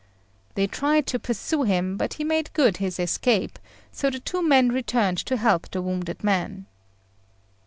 They tried to pursue him, but he made good his escape, so the two men returned to help the wounded man.